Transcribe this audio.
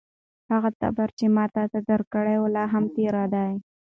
هغه تبر چې ما تاته درکړی و، لا هم تېره دی؟